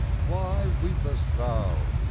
" Why weepest thou ?